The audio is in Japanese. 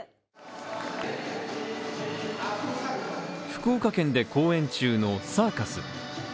福岡県で公演中のサーカス